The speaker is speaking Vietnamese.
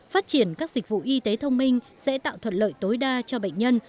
phát triển các dịch vụ y tế thông minh sẽ tạo thuận lợi tối đa cho bệnh nhân